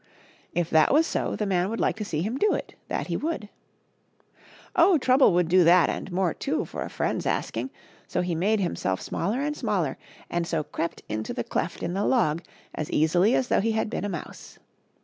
If that was so the man would like to see him do it, that he would. Oh, Trouble would do that and more, too, for a friend's asking. So he made himself small and smaller, and so crept into the cleft in the log as easily as though he had been a mouse.